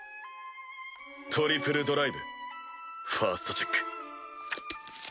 トリプルドライブファーストチェック！